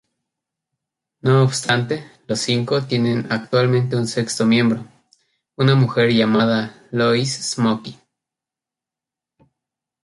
No obstante, los "Cinco" tienen actualmente un sexto miembro, una mujer llamada Lois Smokey.